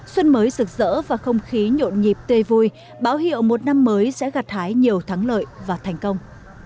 xuân mới rực rỡ và không khí nhộn nhịp tê vui báo hiệu một năm mới sẽ gạt thái nhiều thắng lợi và thành công